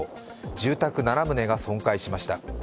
住宅７棟が損壊しました。